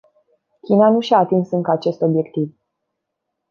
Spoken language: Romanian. China nu și-a atins încă acest obiectiv.